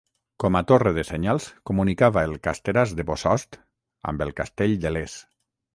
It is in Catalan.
Com a torre de senyals comunicava el Casteràs de Bossòst amb el castell de Les.